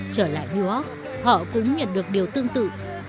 trở lại núa họ cũng nhận được điều tương tự